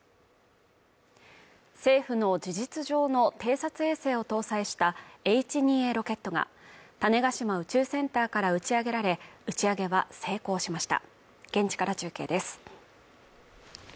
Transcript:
政府の事実上の偵察衛星を搭載したＨ２Ａロケットが種子島宇宙センターから打ち上げられ打ち上げは成功しました現地から中継です